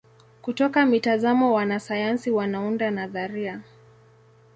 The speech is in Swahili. Kutoka mitazamo wanasayansi wanaunda nadharia.